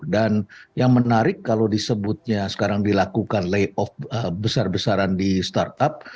dan yang menarik kalau disebutnya sekarang dilakukan layoff besar besaran di startup